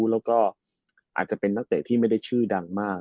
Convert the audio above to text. แล้วก็อาจจะเป็นนักเตะที่ไม่ได้ชื่อดังมาก